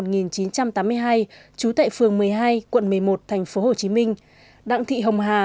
sinh năm một nghìn chín trăm tám mươi hai chú tại phường một mươi hai quận một mươi một tp hồ chí minh đặng thị hồng hà